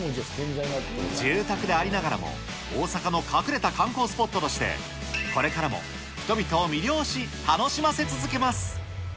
住宅でありながらも、大阪の隠れた観光スポットとして、これからも人々を魅了し、楽しませ続けます。